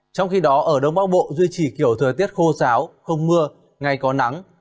trong khi đó ở đông bắc bộ duy trì kiểu thời tiết khô giáo không mưa ngày có nắng